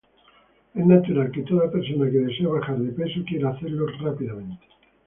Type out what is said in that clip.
Es natural que toda persona que desea bajar de peso quiera hacerlo rápidamente